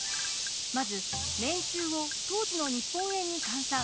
まず年収を当時の日本円に換算。